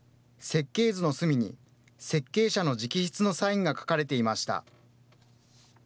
設計図の隅に、設計者の直筆のサインが書かれていました。